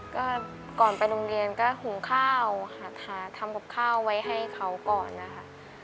ก็ก่อนไปโรงเรียนก็หุงข้าวหาทานทำกับข้าวไว้ให้เขาก่อนนะคะ